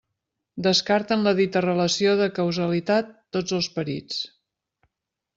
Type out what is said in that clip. Descarten la dita relació de causalitat tots els perits.